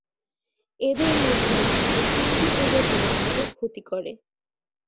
এদের মধ্যে মাত্র তিনটি প্রজাতি মানুষের ক্ষতি করে।